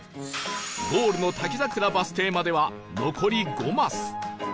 ゴールの滝桜バス停までは残り５マス